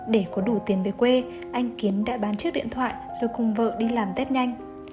để có đủ tiền về quê anh kiến đã bán chiếc điện thoại rồi cùng vợ đi làm rất nhanh